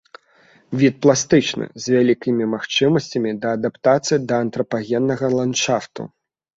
Від пластычны, з вялікімі магчымасцямі да адаптацыі да антрапагеннага ландшафту.